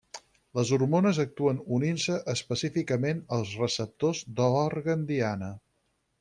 Les hormones actuen unint-se específicament als receptors de l'òrgan diana.